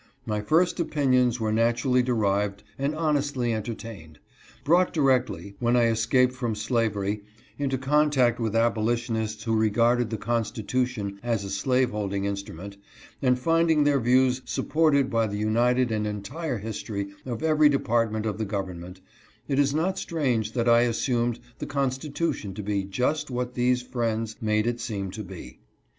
My first opinions were naturally derived and honestly entertained. Brought directly, when I escaped from slavery, Lqto_contact with abolitionists who regarded the Constitution as a slaveholding instrument, and finding their views supported by the united and entire history of every department of the government, it is not strange that I assumed the Constitution to be just what these friends made it seem to be.